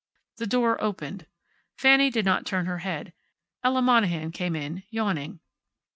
The door opened. Fanny did not turn her head. Ella Monahan came in, yawning.